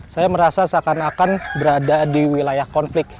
saya merasa seakan akan berada di wilayah konflik